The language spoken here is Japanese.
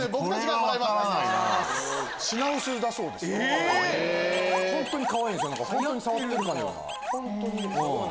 本当に触ってるかのような。